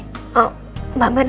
oh mbak mirna